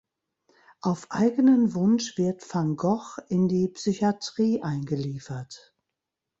Auf eigenen Wunsch wird van Gogh in die Psychiatrie eingeliefert.